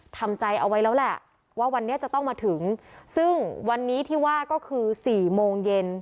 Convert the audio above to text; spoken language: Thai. ทำใจเอาไว้แล้วแหละว่าวันนี้จะต้องมาถึงซึ่งวันนี้ที่ว่าก็คือสี่โมงเย็น